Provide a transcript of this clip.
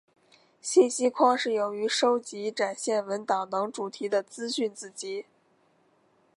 信息框是由于收集展现文档等主题的资讯子集。